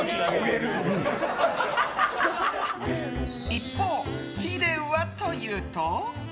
一方、フィレはというと。